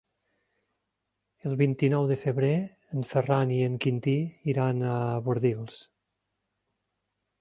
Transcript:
El vint-i-nou de febrer en Ferran i en Quintí iran a Bordils.